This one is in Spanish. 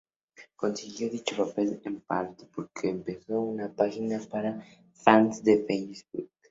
Consiguió dicho papel, en parte, porque empezó una página para fans en Facebook.